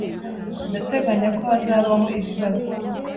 Ndateganya ko hazabaho ibibazo.